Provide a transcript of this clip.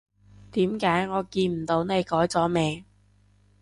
點解我見唔到你改咗名？